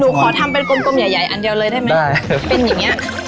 ขอทำเป็นกลมใหญ่ใหญ่อันเดียวเลยได้ไหมเป็นอย่างนี้